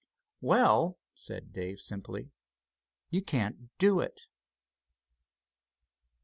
"Well," said Dave simply, "you can't do it."